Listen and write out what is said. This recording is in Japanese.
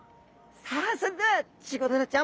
さあそれではチゴダラちゃん。